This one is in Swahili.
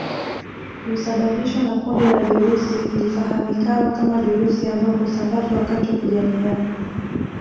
Husababishwa na kundi la virusi lifahamikalo kama virusi ambao husambazwa wakati wa kujamiiana